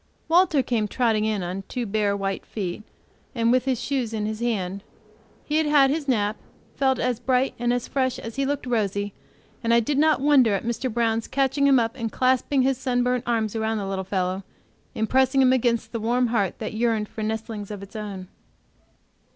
Walter came trotting in on two bare, white feet, and with his shoes in his hand. He had had his nap, felt, as bright; and fresh as he looked rosy, and I did not wonder at Mr. Brown's catching him up and clasping his sunburnt arms about the little fellow, and pressing him against the warm heart that yearned for nestlings of its own.